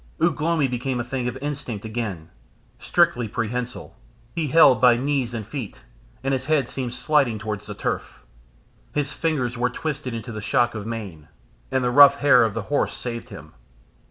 Ugh lomi became a thing of instinct again strictly prehensile; he held by knees and feet, and his head seemed sliding towards the turf. His fingers were twisted into the shock of mane, and the rough hair of the horse saved him.